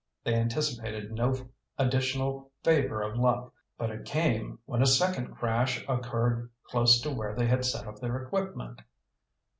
They anticipated no additional favor of luck, but it came when a second crash occurred close to where they had set up their equipment.